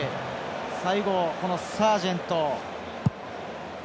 最後、サージェント。